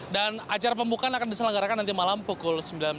dan acara pembukaan akan diselenggarakan nanti malam pukul sembilan belas